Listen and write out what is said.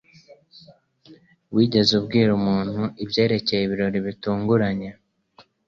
Wigeze ubwira umuntu ibyerekeye ibirori bitunguranye?